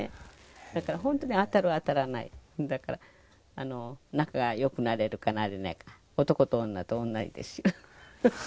だから本当に当たる、当たらない、だから、仲がよくなれるかなれないか、男と女と同じですよ。